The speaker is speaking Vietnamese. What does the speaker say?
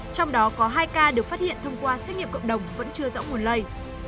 trong đó có hai ca được phát hiện thông qua xét nghiệm cộng đồng vẫn chưa rõ nguồn lây